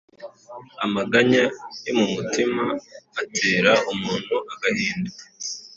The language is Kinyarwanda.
amaganya yo mu mutima atera umuntu agahinda,